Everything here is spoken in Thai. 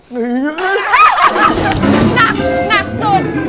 หนักนักสุด